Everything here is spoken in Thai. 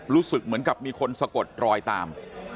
รู้สึกเหมือนกับมีคนสะกดรอยตาม